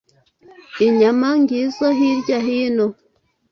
inyama ngizo hirya hino